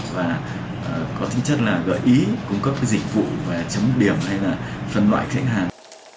và có tính chất là gợi ý cung cấp dịch vụ chấm điểm hay là phần loại khách hàng